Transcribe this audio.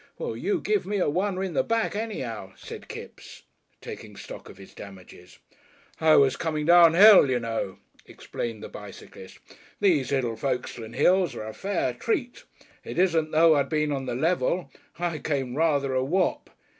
"Well you give me a oner in the back anyhow," said Kipps, taking stock of his damages. "I was coming down hill, you know," explained the bicyclist. "These little Folkestone hills are a Fair Treat. It isn't as though I'd been on the level. I came rather a whop."